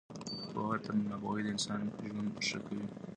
پوهه تر ناپوهۍ د انسان ژوند ښه کوي.